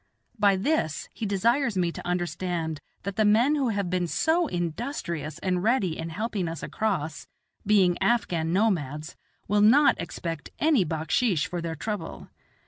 By this he desires me to understand that the men who have been so industrious and ready in helping us across, being Afghan nomads, will not expect any backsheesh for their trouble.